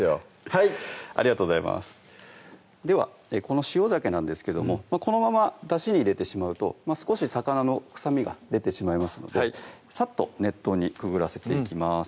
はいありがとうございますではこの塩ざけなんですけどもこのままだしに入れてしまうと少し魚の臭みが出てしまいますのでさっと熱湯にくぐらせていきます